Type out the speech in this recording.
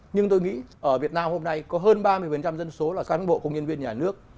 nhưng tôi nghĩ ở việt nam hôm nay có hơn ba mươi dân số là cán bộ công nhân viên nhà nước